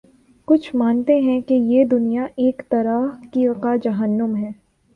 کچھ مانتے ہیں کہ یہ دنیا ایک طرح کا جہنم ہے۔